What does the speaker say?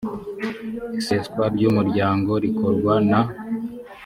iseswa ry umuryango rikorwa na